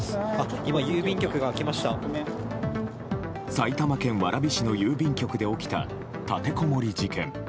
埼玉県蕨市の郵便局で起きた立てこもり事件。